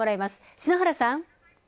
篠原さん。